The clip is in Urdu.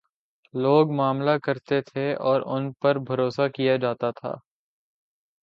لوگ معاملہ کرتے تھے اور ان پر بھروسہ کیا جا تا تھا۔